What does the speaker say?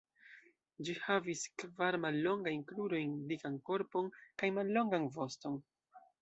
Ĝi havis kvar mallongajn krurojn, dikan korpon, kaj mallongan voston.